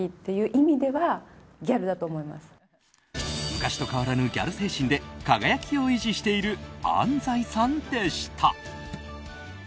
昔と変わらぬギャル精神で輝きを維持している安西さんでした。